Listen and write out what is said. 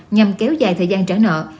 nhằm kéo dài thời gian trả nợ